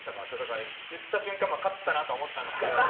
言った瞬間勝ったなとは思ったんですけど。